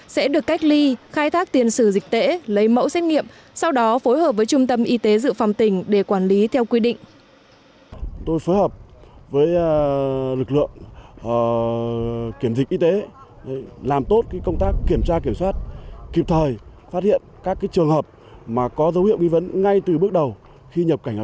sẽ được cách ly khai thác tiền sử dịch tễ lấy mẫu xét nghiệm sau đó phối hợp với trung tâm y tế dự phòng tỉnh để quản lý theo quy định